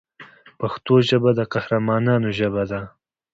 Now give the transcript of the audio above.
پښتو ژبه د قهرمانانو ژبه ده.